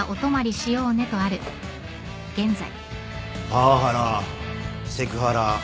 パワハラセクハラ